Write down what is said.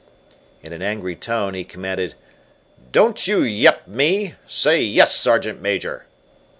In an angry tone, he commanded, "Don't you 'yep' me. Say, 'Yes, Sergeant Major!'"